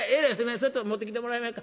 ちょっと持ってきてもらえまへんか。